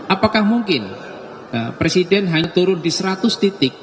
apakah mungkin presiden hanya turun di seratus titik